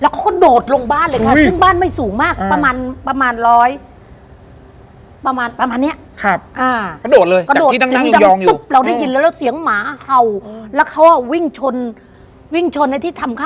ก็โดดลงบ้านเลยซึ่งบ้านไม่สูงมาก